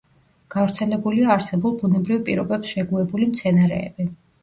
გავრცელებულია არსებულ ბუნებრივ პირობებს შეგუებული მცენარეები.